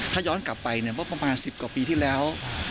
ถ้าย้อนกลับไปเนี่ยเมื่อประมาณ๑๐กว่าปีที่แล้ว